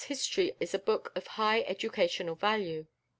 Grote's history is a book of high educational value.